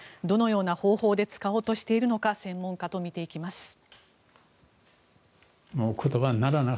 どのような方法で使おうとしているのか専門家と見ていきます。